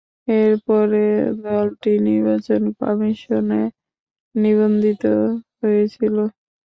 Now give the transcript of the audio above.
এরপরে দলটি নির্বাচন কমিশনে নিবন্ধিত হয়েছিল।